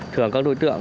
thường các đối tượng